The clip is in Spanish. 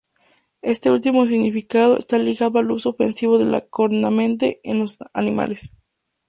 Este último significado está ligado al uso ofensivo de la cornamenta en los animales.